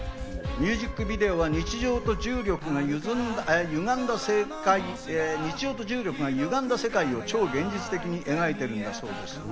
ミュージックビデオは日常と重力がゆがんだ世界を超現実的に描いているんだそうです。